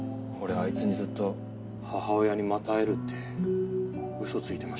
あいつにずっと「母親にまた会える」って嘘ついてました。